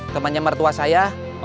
temannya mertua saya